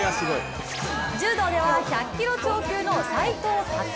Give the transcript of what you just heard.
柔道では１００キロ超級の斉藤立。